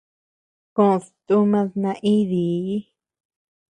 Kód tumad naídii.